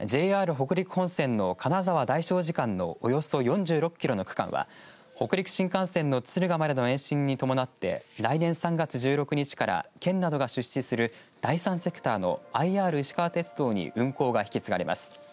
北陸本線の金沢大聖寺間のおよそ４６キロの区間は北陸新幹線の敦賀までの延伸に伴って来年３月１６日から県などが出資する第３セクターのＩＲいしかわ鉄道に運行が引き継がれます。